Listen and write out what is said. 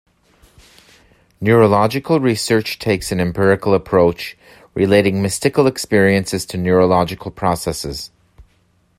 Neurological research takes an empirical approach, relating mystical experiences to neurological processes.